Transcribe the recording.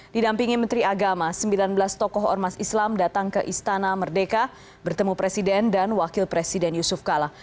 didampingi menteri agama sembilan belas tokoh ormas islam datang ke istana merdeka bertemu presiden dan wakil presiden yusuf kala